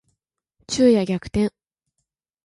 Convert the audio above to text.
昼夜逆転